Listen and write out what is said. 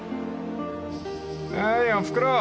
［おーいおふくろ！］